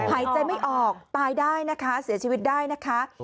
หายใจไม่ออกตายได้นะคะเสียชีวิตได้นะคะ